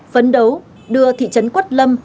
phấn đấu đưa thị trấn quất lâm